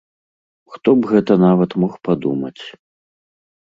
Хто б гэта нават мог падумаць!